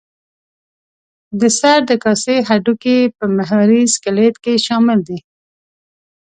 د سر د کاسې هډوکي په محوري سکلېټ کې شامل دي.